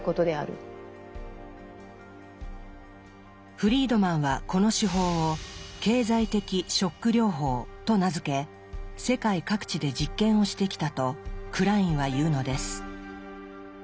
フリードマンはこの手法を「経済的ショック療法」と名付け世界各地で実験をしてきたとクラインは言うのです。